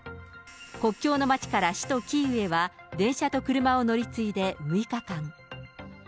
国境の町から首都キーウへは電車と車を乗り継いで６日間。